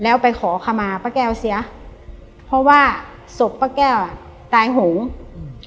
แล้วไปขอขมาป้าแก้วเสียเพราะว่าศพป้าแก้วอ่ะตายหงอืม